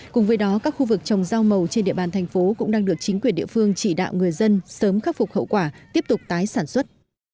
cùng với đó các khu vực trồng rau màu trên địa bàn thành phố cũng đang được chính quyền địa phương chỉ đạo người dân sớm khắc phục hậu quả tiếp tục tái sản xuất